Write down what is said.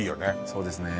そうですね